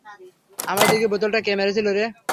আমার দিকে বোতলটা কে মেরেছিল রে?